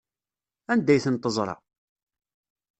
Anda ay ten-teẓra?